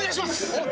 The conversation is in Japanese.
おっ！